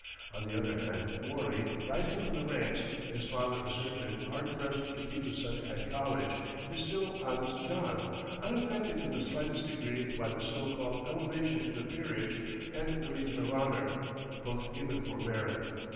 On the other hand, Morley, rising from the ranks, his father a surgeon hard pressed to keep his son at college, is still "Honest John," unaffected in the slightest degree by the so called elevation to the peerage and the Legion of Honor, both given for merit.